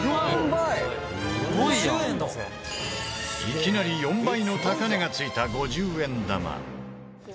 いきなり４倍の高値がついた５０円玉。